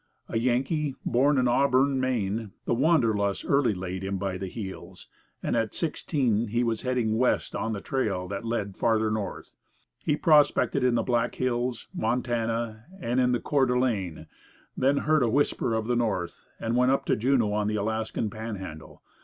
A Yankee, born, in Auburn, Maine, the Wanderlust early laid him by the heels, and at sixteen he was heading west on the trail that led "farther north." He prospected in the Black Hills, Montana, and in the Coeur d'Alene, then heard a whisper of the North, and went up to Juneau on the Alaskan Panhandle.